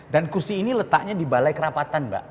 dan kursi ini letaknya di balai kerapatan mbak